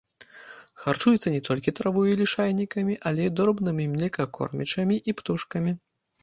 Харчуецца не толькі травой і лішайнікамі, але і дробнымі млекакормячымі і птушкамі.